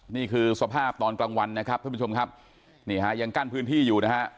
นี่คือสภาพตอนกลางวันนะครับท่านผู้ชมครับนี่ฮะยังกั้นพื้นที่อยู่นะฮะ